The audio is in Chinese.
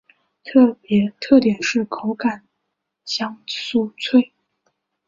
特点是口感干香酥脆。